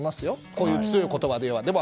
こういう強い言葉で言えば。